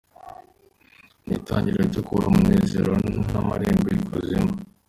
Ni itangiriro ryo kubura umunezero, ni nk’amarembo y’ikuzimu.